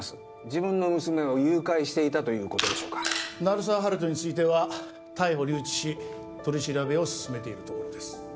自分の娘を誘拐していたということでしょうか鳴沢温人については逮捕留置し取り調べを進めているところです